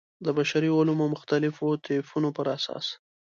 د بشري علومو مختلفو طیفونو پر اساس.